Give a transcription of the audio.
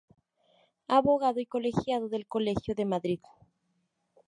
Abogado y colegiado del colegio de Madrid.